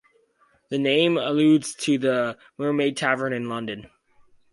The name alludes to the Mermaid Tavern in London.